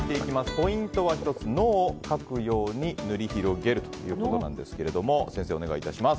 ポイントは１つ「の」を書くように塗り広げるということなんですが先生、お願いします。